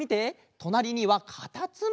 となりにはかたつむり！